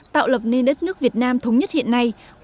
tạo lập nên đất nước việt nam thống nhất hiện nay